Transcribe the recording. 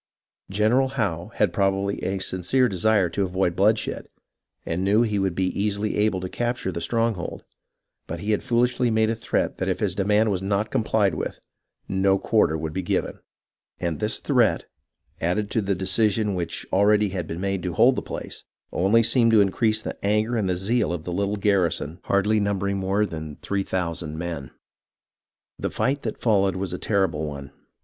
General Howe had probably a sincere desire to avoid bloodshed, and knew he would be easily able to capture the stronghold, but he had foolishly made a threat that if his demand was not complied with, no quarter would be given ; and this threat, added to the decision which already had been made to hold the place, only seemed to increase the anger and zeal of the little garrison hardly numbering more than three thousand men. The fight that followed was a terrible one.